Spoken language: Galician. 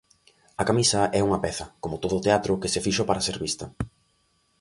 A Camisa é unha peza, como todo teatro, que se fixo para ser vista.